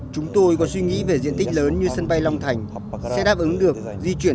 chúng tôi có suy nghĩ về diện tích lớn như sân bay long thành sẽ đáp ứng được di chuyển